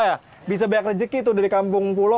pak aziz bisa banyak rezeki dari kampung pulo